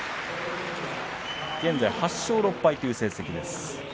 現在、８勝６敗という成績です。